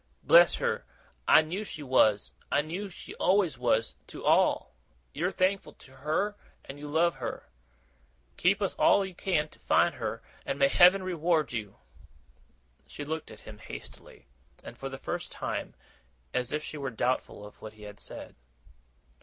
Bless her, I knew she was! I knew she always was, to all. You're thankful to her, and you love her. Help us all you can to find her, and may Heaven reward you!' She looked at him hastily, and for the first time, as if she were doubtful of what he had said.